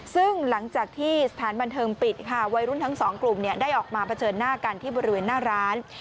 ซึ่งหลังจากที่สถานบันเทิงปิดค่ะวัยรุ่นทั้งสองกลุ่มได้ออกมาเผชิญหน้ากันที่บริเวณหน้าร้าน